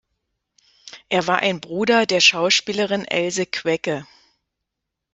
Er war ein Bruder der Schauspielerin Else Quecke.